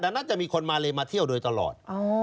ดังนั้นจะมีคนมาเลมาเที่ยวโดยตลอด